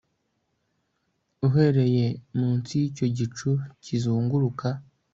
Uhereye munsi yicyo gicu kizunguruka